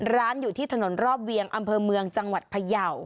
ร้านอยู่ที่ถนนรอบเวียงอำเภอเมืองจังหวัดพยาว